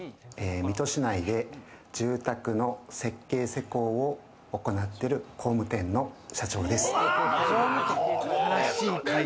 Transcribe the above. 水戸市内で住宅の設計施工を行っている工務店の社長です。